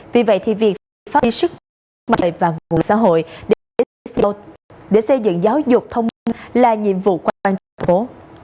vì vậy thì việc phát triển sức mạnh và nguồn lực xã hội để xây dựng giáo dục thông minh là nhiệm vụ quan trọng trong thành phố